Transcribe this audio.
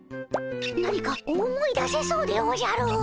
何か思い出せそうでおじゃる。